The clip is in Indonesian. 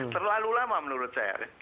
terlalu lama menurut saya